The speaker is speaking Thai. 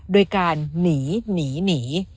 โดยการหนีหนี